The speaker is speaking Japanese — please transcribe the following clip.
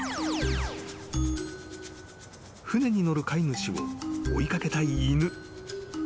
［船に乗る飼い主を追い掛けたい犬］